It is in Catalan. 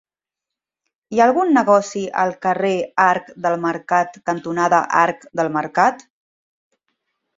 Hi ha algun negoci al carrer Arc del Mercat cantonada Arc del Mercat?